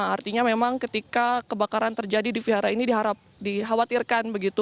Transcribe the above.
artinya memang ketika kebakaran terjadi di wihara ini dikhawatirkan